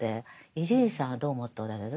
伊集院さんはどう思っておられる？